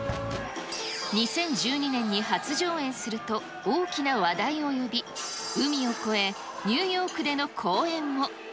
２０１２年に初上演すると、大きな話題を呼び、海を越え、ニューヨークでの公演も。